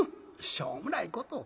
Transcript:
「しょうもないことを」。